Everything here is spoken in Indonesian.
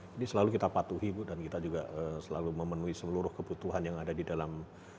jadi selalu kita patuhi bu dan kita juga selalu memenuhi seluruh kebutuhan yang ada di dalam